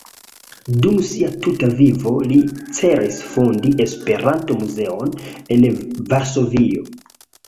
Dum sia tuta vivo li celis fondi Esperanto-muzeon en Varsovio.